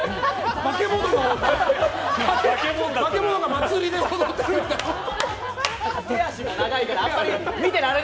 化け物が祭りで踊ってるみたいな。